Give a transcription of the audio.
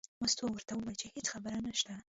مستو ورته وویل چې هېڅ خبره نشته.